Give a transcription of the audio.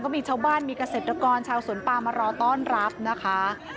มีชาวบ้านมีเกษตรกรชาวสวนปามมารอต้อนรับนะคะ